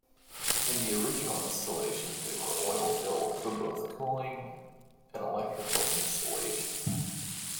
In the original installation they were oil filled for both cooling and electrical insulation.